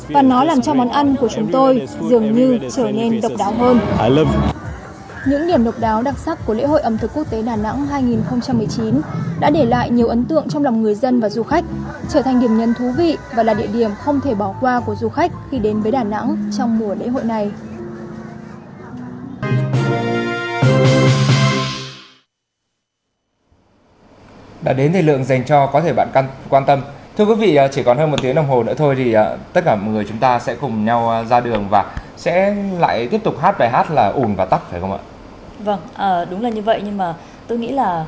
và nó làm cho món ăn của chúng tôi dường như trở nên độc đáo hơn